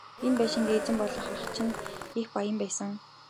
Энэ байшингийн эзэн болох ах чинь их баян байсан.